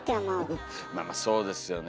まあまあそうですよね。